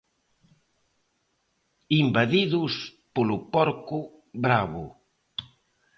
Invadidos polo porco bravo.